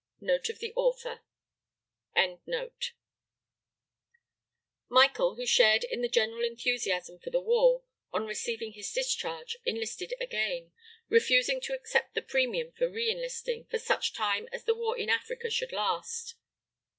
Note of the Author] Michael, who shared in the general enthusiasm for the war, on receiving his discharge, enlisted again, refusing to accept the premium for re enlisting, for such time as the war in Africa should last.